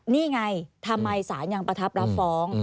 นี่ไงทำไมศาลยังประทับรับฟ้อง